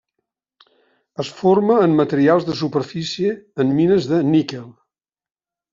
Es forma en materials de superfície en mines de níquel.